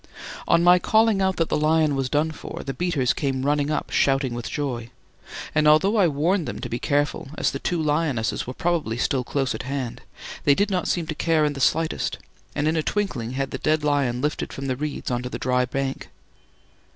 On my calling out that the lion was done for, the beaters came running up shouting with joy; and although I warned them to be careful, as the two lionesses were probably still close at hand, they did not seem to care in the slightest and in a twinkling had the dead lion lifted from the reeds on to the dry bank.